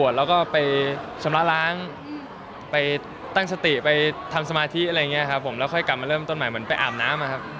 ทำสมาธิอะไรนะครับผมแล้วค่อยกลับมาเลิ่มต้นใหม่เหมือนไปอ่ามน้ำนะครับ